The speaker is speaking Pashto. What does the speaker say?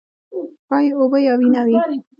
ښايي اوبه یا وینه وي.